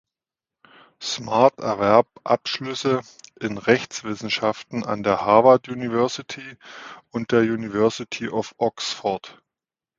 Smart erwarb Abschlüsse in Rechtswissenschaften an der Harvard University und der University of Oxford.